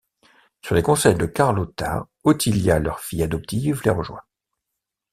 Sur les conseils de Carlotta, Ottilia, leur fille adoptive, les rejoint.